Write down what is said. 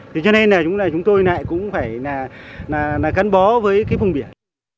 thế cho nên là chúng tôi lại cũng phải là cắn bó với cái vùng biển